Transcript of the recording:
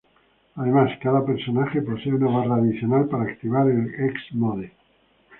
Además, cada personaje posee una barra adicional para activar el Ex Mode.